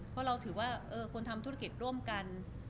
เพราะเราถือว่าควรทำธุรกิจร่วมกัน